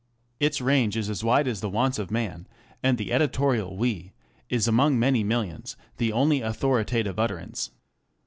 Its range is as wide as the wants of man, and the editorial we is among many millions the only authoritative utterance.